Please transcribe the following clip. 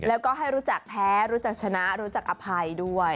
แล้วก็ให้รู้จักแพ้รู้จักชนะรู้จักอภัยด้วย